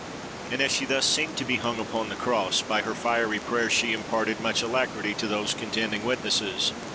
And as she thus seemed to be hung upon the Cross, by her fiery prayers she imparted much alacrity to those contending Witnesses.